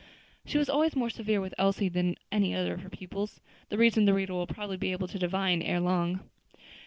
She was always more severe with Elsie than with any other of her pupils. The reason the reader will probably be able to divine ere long.